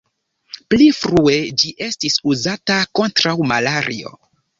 Pli frue ĝi estis uzata kontraŭ malario.